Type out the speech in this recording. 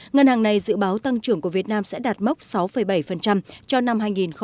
ngân hàng này dự báo tăng trưởng của việt nam sẽ đạt mốc sáu bảy cho năm hai nghìn hai mươi